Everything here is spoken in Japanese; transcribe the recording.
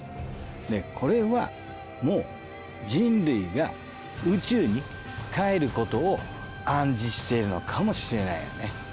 でこれはもう人類が宇宙に還ることを暗示しているのかもしれないよね。